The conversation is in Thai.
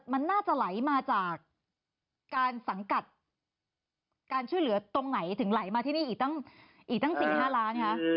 มันน่าจะไหลมาจากการสังกัดการช่วยเหลือตรงไหนถึงไหลมาที่นี่อีกตั้ง๔๕ล้านคะ